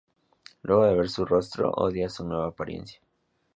Luego de ver su rostro, odia a su nueva apariencia.